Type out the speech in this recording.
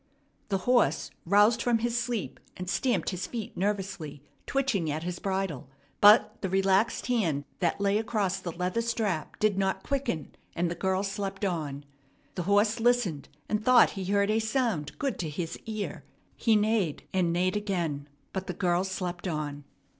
The horse roused from his sleep, and stamped his feet nervously, twitching at his bridle; but the relaxed hand that lay across the leather strap did not quicken, and the girl slept on. The horse listened, and thought he heard a sound good to his ear. He neighed, and neighed again; but the girl slept on.